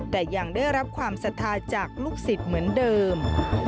แต่ยังได้รับความศรัทธาจากลูกศิษย์เหมือนเดิม